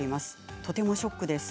とてもショックです。